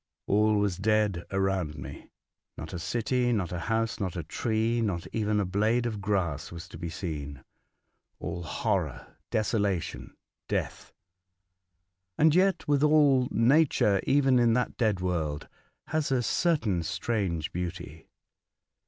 All was dead around me. JSTot a city, not a house, not a tree, not even a blade of grass was to be seen. All horror, desolation, death 1 And yet, withal, Nature, even in that dead world, has a certain strange beauty.